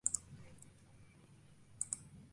Es del futbolista Iker Casillas.